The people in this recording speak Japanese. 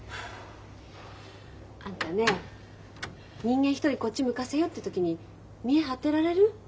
あんたね人間一人こっち向かせようって時に見栄張ってられる？